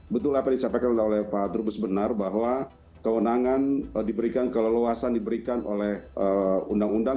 betul apa yang disampaikan oleh pak trubus benar bahwa kewenangan diberikan keleluasan diberikan oleh undang undang